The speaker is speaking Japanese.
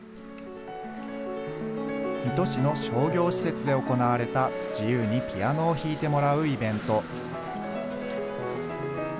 水戸市の商業施設で行われた、自由にピアノを弾いてもらうイベント。